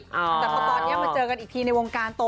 แต่พอตอนนี้มาเจอกันอีกทีในวงการโต